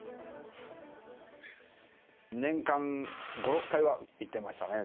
年間５、６回は行ってましたね。